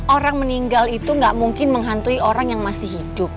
orang meninggal itu gak mungkin menghantui orang yang masih hidup